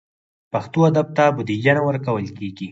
پښتو ادب ته بودیجه نه ورکول کېږي.